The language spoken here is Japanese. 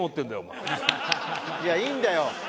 いやいいんだよ。